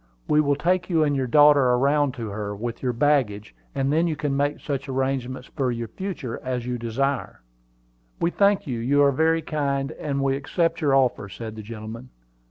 "We will take you and your daughter around to her, with your baggage; and then you can make such arrangements for the future as you desire." "We thank you; you are very kind, and we accept your offer," said the gentleman.